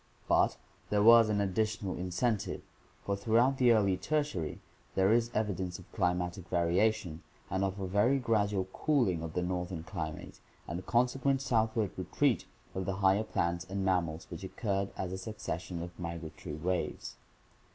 But there was an additional incentive, for throughout the early Tertiary there is evidence of climatic variation and of a very gradual cooling of the northern climate and a consequent southward retreat of the higher plants and mam mals which occurred as a succession of migratory waves.